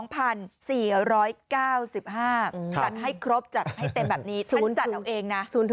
จัดให้ครบจัดให้เต็มแบบนี้ฉันจัดเอาเองนะ